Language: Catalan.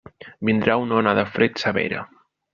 Vindrà una ona de fred severa.